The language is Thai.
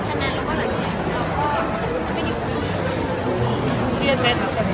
ช่องความหล่อของพี่ต้องการอันนี้นะครับ